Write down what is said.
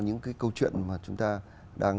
những cái câu chuyện mà chúng ta đang